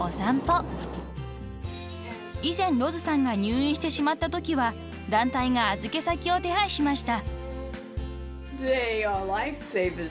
［以前ロズさんが入院してしまったときは団体が預け先を手配しました］